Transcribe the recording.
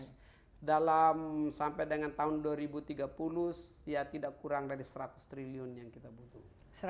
terus dalam sampai dengan tahun dua ribu tiga puluh ya tidak kurang dari seratus triliun yang kita butuh